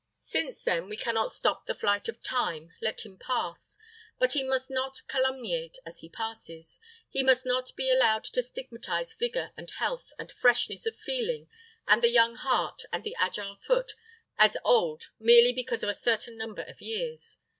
Since, then, we cannot stop the flight of Time, let him pass. But he must not calumniate as he passes. He must not be allowed to stigmatize vigor and health and freshness of feeling and the young heart and the agile foot as old merely because of a certain number of years.